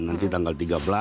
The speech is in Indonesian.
nanti tanggal tiga belas